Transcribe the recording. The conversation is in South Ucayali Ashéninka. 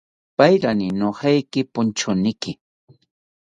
Paerani nojeki ponchoniki